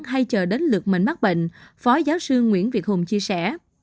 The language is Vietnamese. hay chờ đến lượt mình mắc bệnh phó giáo sư nguyễn việt hùng chia sẻ